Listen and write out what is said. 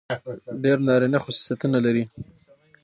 ډېر نارينه خصوصيتونه لري.